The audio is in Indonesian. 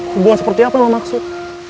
hubungan seperti apa lo maksud